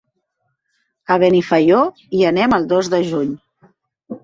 A Benifaió hi anem el dos de juny.